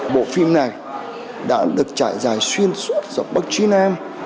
bộ phim này đã được trải dài xuyên suốt dọc bắc nam